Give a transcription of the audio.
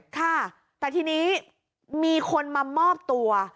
ค่ะแต่ทีนี้มีคนมามอบตัว